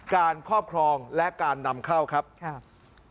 ครอบครองและการนำเข้าครับครับ